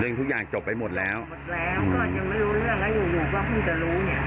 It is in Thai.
ทุกอย่างจบไปหมดแล้วหมดแล้วก็ยังไม่รู้เรื่องแล้วอยู่หนูก็เพิ่งจะรู้เนี่ย